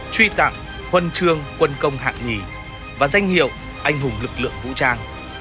truy tặng huân chương quân công hạng nhì và danh hiệu anh hùng lực lượng vũ trang